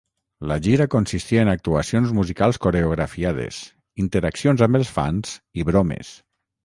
La gira consistia en actuacions musicals coreografiades, interaccions amb els fans i bromes.